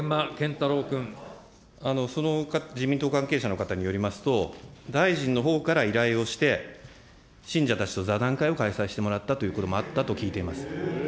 その自民党関係者の方によりますと、大臣のほうから依頼をして、信者たちと座談会を開催してもらったということもあったと聞いております。